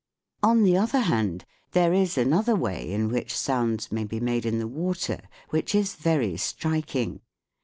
On the other hand, there is another way in which sounds may be made in the water which is very striking.